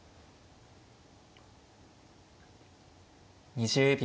２０秒。